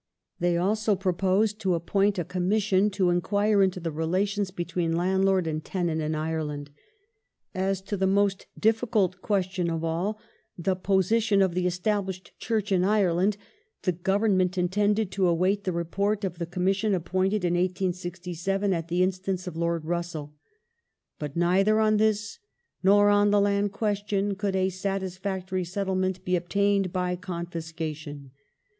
They also proposed to appoint a Commission to enquire into the relations between landlord and tenant in Ireland. As to the most difficult question of all, the position of the Established Church in Ireland, the Government intended to await the Report of the Commission appointed in 1867 at the instance of Lord Russell. "But neither on this nor on the land question could a satisfactory settlement be obtained by confiscation.